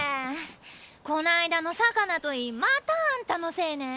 こないだの魚といいまたあんたのせいね？